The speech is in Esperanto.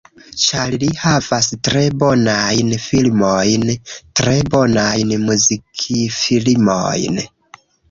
Ĉar li havas tre bonajn filmojn tre bonajn muzikfilmojn.